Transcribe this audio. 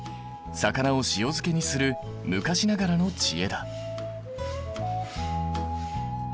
魚を塩漬けにする昔ながらの知恵だ。